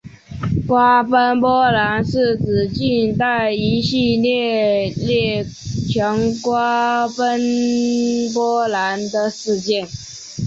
瓜分波兰是指近代一系列列强瓜分波兰的事件。